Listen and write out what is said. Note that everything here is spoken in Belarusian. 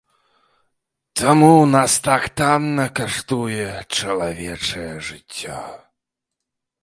Таму ў нас так танна каштуе чалавечае жыццё.